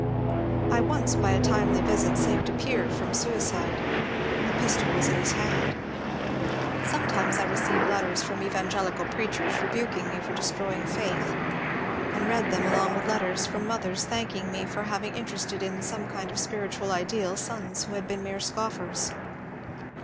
I once by a timely visit saved a peer from suicide ; the pistol was in his hand. Sometimes I received letters from evangelical preachers rebuking me for destroying faith, and read them along with letters from mothers thank ing me for having interested in some kind of spiritual ideal sons who had been mere scoffers.